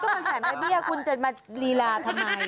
ห้ะก็มันแพนมาเบี้ยคุณจะมาดีลาทำไม